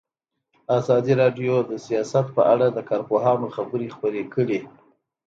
ازادي راډیو د سیاست په اړه د کارپوهانو خبرې خپرې کړي.